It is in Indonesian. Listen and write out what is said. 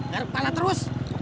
garap kepala terus